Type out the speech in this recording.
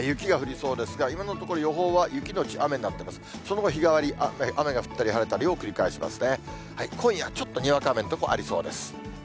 その後、日替わり、雨が降ったり晴れたりを繰り返しますね。